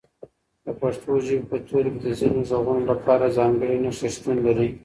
د پښتو ژبې په توري کې د ځینو غږونو لپاره ځانګړي نښې شتون لري.